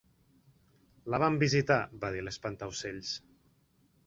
"La vam visitar", va dir l'Espantaocells.